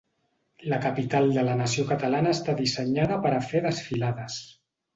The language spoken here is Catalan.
La capital de la nació catalana està dissenyada per a fer desfilades.